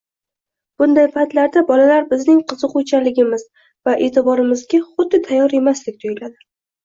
Bunday paytlarda bolalar bizning qiziquvchanligimiz va eʼtiborimizga xuddi tayyor emasdek tuyuladi.